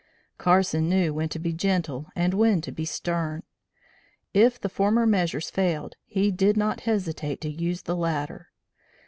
Carson knew when to be gentle and when to be stern. If the former measures failed, he did not hesitate to use the latter.